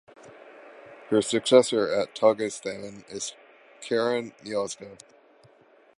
Her successor at "Tagesthemen" is Caren Miosga.